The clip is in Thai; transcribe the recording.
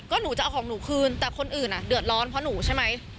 ก็หนูจะเอาของหนูคืนแต่คนอื่นอ่ะเดือดร้อนเพราะหนูใช่ไหม